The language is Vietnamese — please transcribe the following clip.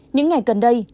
những ngày gần đây